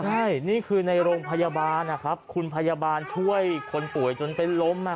ใช่นี่คือในโรงพยาบาลนะครับคุณพยาบาลช่วยคนป่วยจนเป็นล้ม